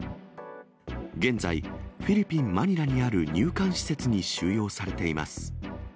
現在、フィリピン・マニラにある入管施設に収容されています。